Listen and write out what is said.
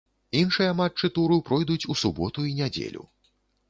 Іншыя матчы туру пройдуць у суботу і нядзелю.